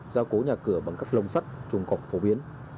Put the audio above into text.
giao cố nhà cửa bằng các lông sắt trùng cọc phổ biến